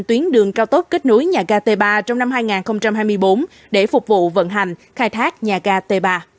tuyến đường cao tốc kết nối nhà ga t ba trong năm hai nghìn hai mươi bốn để phục vụ vận hành khai thác nhà ga t ba